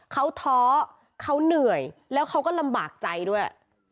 เขาท้อเขาเหนื่อยแล้วเขาก็ลำบากใจด้วย